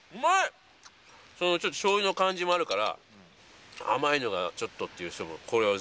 しょうゆの感じもあるから甘いのがちょっとっていう人もこれは全然いける。